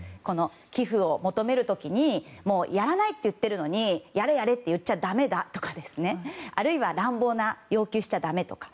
寄付を求める時にやらないと言っているのにやれやれと言っちゃだめだとかあるいは乱暴な要求をしちゃだめとか。